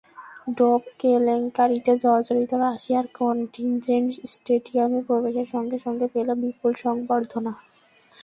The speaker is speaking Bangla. ডোপ কেলেঙ্কারিতে জর্জরিত রাশিয়ার কন্টিনজেন্ট স্টেডিয়ামে প্রবেশের সঙ্গে সঙ্গে পেল বিপুল সংবর্ধনা।